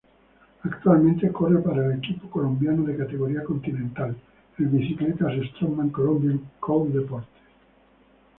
Actualmente corre para el equipo colombiano de categoría Continental el Bicicletas Strongman Colombia Coldeportes.